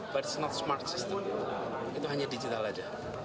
but it's not smart system itu hanya digital saja